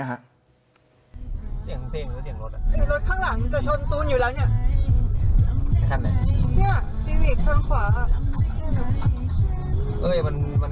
โอ้เหี้ยชีวิตขึ้นขวาอ่ะ